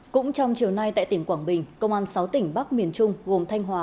cũng trong chiều nay tại tỉnh quảng bình công an sáu tỉnh bắc miền trung gồm thanh hóa